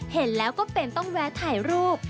เห็นแล้วก็เป็นต้องแวะถ่ายรูป